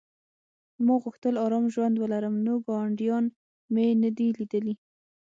ما غوښتل ارام ژوند ولرم نو ګاونډیان مې نه دي لیدلي